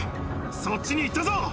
そっちに行ったぞ！